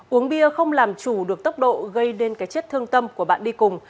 uống bia không làm chủ được tốc độ gây nên cái chết thương tâm của bạn đi cùng